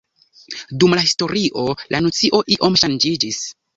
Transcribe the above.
Dum la historio la nocio iom ŝanĝiĝis.